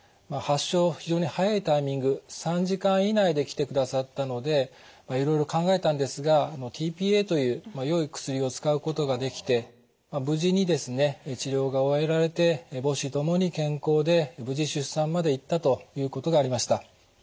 発症非常に早いタイミング３時間以内で来てくださったのでいろいろ考えたんですがｔーＰＡというよい薬を使うことができて無事にですね治療が終えられて母子ともに健康で無事出産まで行ったということがありました。